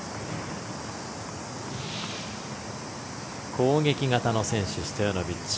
攻撃型の選手、ストヤノビッチ。